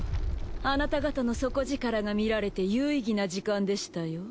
あなた方の底力が見られて有意義な時間でしたよ。